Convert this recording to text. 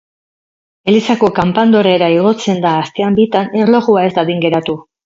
Elizako kanpandorrera igotzen da astean bitan erlojua ez dadin geratu.